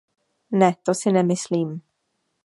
Ne, to si nemyslím.